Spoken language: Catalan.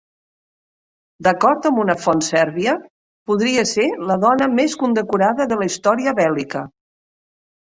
D'acord amb una font sèrbia, podria ser la dona més condecorada de la història bèl·lica.